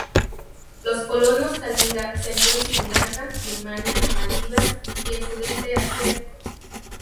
Los colonos Kalinga sentó en Sri Lanka, Birmania, Maldivas y el sudeste asiático.